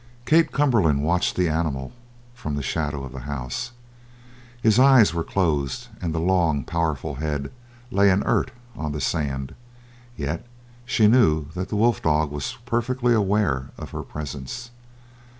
Kate Cumberland watched the animal from the shadow of the house; his eyes were closed, and the long, powerful head lay inert on the sand, yet she knew that the wolf dog was perfectly aware of her presence.